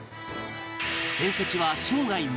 戦績は生涯無敗